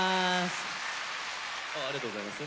ありがとうございます。